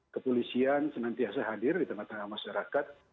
kepolisian senantiasa hadir di tengah tengah masyarakat